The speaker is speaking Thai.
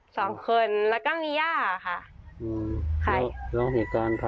ตอนนี้หนูก็อยู่กับพ่อค่ะ